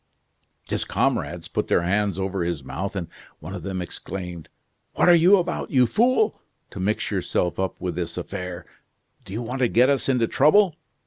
"His comrades put their hands over his mouth, and one of them exclaimed: 'What are you about, you fool, to mix yourself up with this affair! Do you want to get us into trouble?